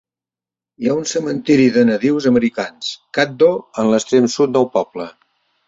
Hi ha un cementiri de nadius americans Caddo en l'extrem sud del poble.